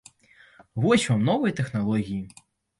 Вось вам новыя тэхналогіі!